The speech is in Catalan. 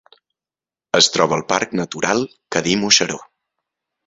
Es troba al Parc Natural Cadí-Moixeró.